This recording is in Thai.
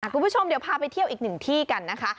คุณผู้ชมเดี๋ยวพาไปเที่ยวอีกหนึ่งที่กันนะคะ